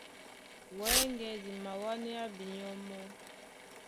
Wɛ́ŋgɛ̄ di mawánéá binyɔ́ mɔ́.